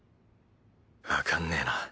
わかんねえな。